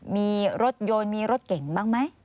มีรถยนต์มีรถเก่งบ้างไหม